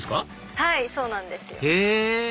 はいそうなんですよ。へぇ！